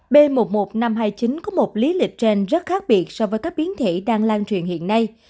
b một mươi một nghìn năm trăm hai mươi chín có một lý lịch trên rất khác biệt so với các biến thể đang lan truyền hiện nay